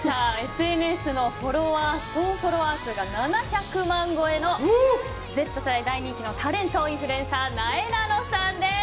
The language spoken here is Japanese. ＳＮＳのフォロワー数が７００万超えのＺ世代に大人気のタレントインフルエンサーなえなのさんです。